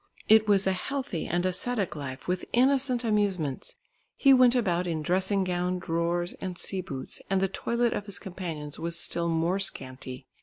It was a healthy and ascetic life with innocent amusements. He went about in dressing gown, drawers and sea boots, and the toilette of his companions was still more scanty.